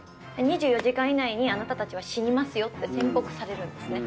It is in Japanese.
２４時間以内にあなたたちは死にますよって宣告されるんですね。